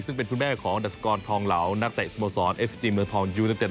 ซึ่งเป็นคุณแม่ของดัสกรทองเหลานักแตะสมสรรค์เอสเตรียมหนึ่งทองยูนิเต็ด